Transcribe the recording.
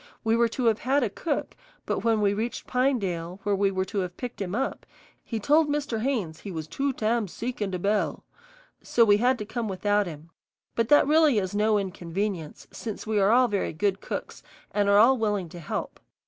We were to have had a cook, but when we reached Pinedale, where we were to have picked him up, he told Mr. Haynes he was "too tam seek in de bel," so we had to come without him; but that is really no inconvenience, since we are all very good cooks and are all willing to help.